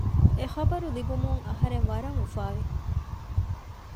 އެ ޚަބަރު ލިބުމުން އަހަރެން ވަރަށް އުފާވި